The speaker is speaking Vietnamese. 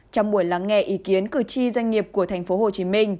trong buổi lắng nghe ý kiến cử tri doanh nghiệp của tp hcm